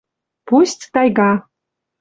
«Пусть тайга